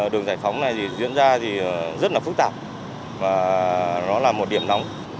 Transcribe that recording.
đường giải phóng này diễn ra rất phức tạp và nó là một điểm nóng